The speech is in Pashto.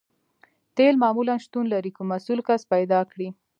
تیل معمولاً شتون لري که مسؤل کس پیدا کړئ